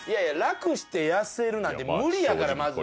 楽して痩せるなんて無理やからまず。